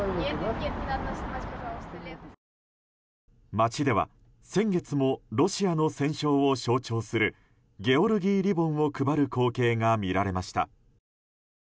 街では、先月もロシアの戦勝を象徴するゲオルギーリボンを配る光景が見られました。